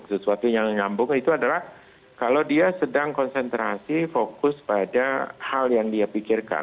sesuatu yang nyambung itu adalah kalau dia sedang konsentrasi fokus pada hal yang dia pikirkan